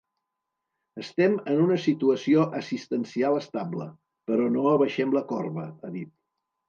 Estem en una situació assistencial estable, però no abaixem la corba, ha dit.